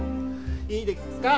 いいですか？